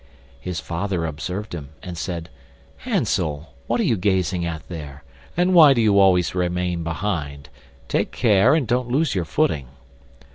His father observed him, and said: "Hansel, what are you gazing at there, and why do you always remain behind? Take care, and don't lose your footing."